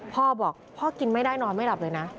พ่อบอกพ่อกินไม่ได้นอนไม่หลับเลยนะ